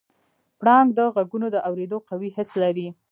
پړانګ د غږونو د اورېدو قوي حس لري.